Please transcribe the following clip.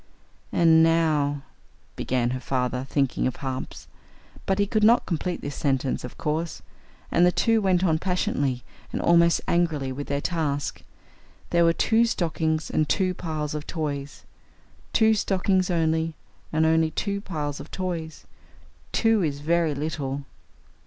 "And now " began her father, thinking of harps. But he could not complete this sentence, of course, and the two went on passionately and almost angrily with their task. There were two stockings and two piles of toys. Two stockings only, and only two piles of toys! Two is very little!